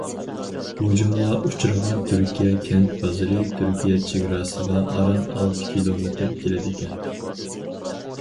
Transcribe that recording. ھۇجۇمغا ئۇچرىغان تۈركىيە كەنت بازىرى تۈركىيە چېگراسىغا ئاران ئالتە كىلومېتىر كېلىدىكەن.